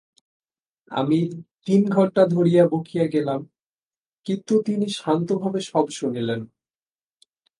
আমি তিন ঘণ্টা ধরিয়া বকিয়া গেলাম, কিন্তু তিনি শান্তভাবে সব শুনিলেন।